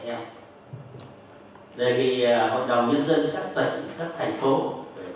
được nêu cao vai trò của chính quyền các quỷ các cấp của địa phương